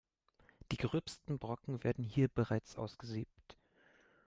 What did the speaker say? Die gröbsten Brocken werden hier bereits ausgesiebt.